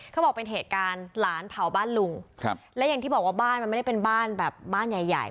เขาบอกเป็นเหตุการณ์หลานเผาบ้านลุงครับและอย่างที่บอกว่าบ้านมันไม่ได้เป็นบ้านแบบบ้านใหญ่ใหญ่